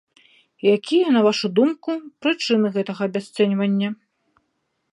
Якія, на вашу думку, прычыны гэтага абясцэньвання?